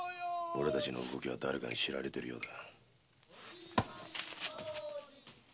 俺たちの動きは誰かに知られてるようだ。